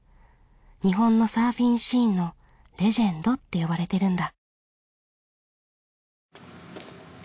日本のサーフィンシーンのレジェンドって呼ばれてるんだ。